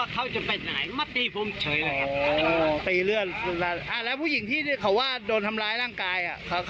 ขอใช้อะไรทำร้ายร่างกาย